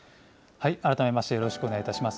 改めましてよろしくお願いいたします。